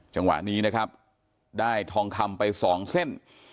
จังหวะนี้นะครับได้ทองคำไปสองเส้น